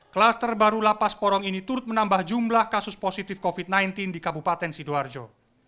klaster baru lapas porong ini turut menambah jumlah kasus positif covid sembilan belas di kabupaten sidoarjo